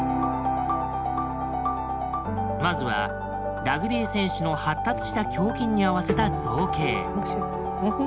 まずはラグビー選手の発達した胸筋に合わせた造形。